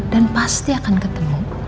dan pasti akan ketemu